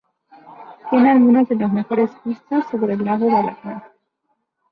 Tiene algunas de las mejores vistas sobre el Lago Balatón.